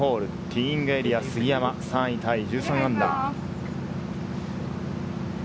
ティーイングエリア、杉山、３位タイの−１３。